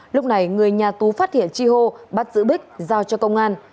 lúc này người nhà tú phát hiện chi hô bắt giữ bích giao cho công an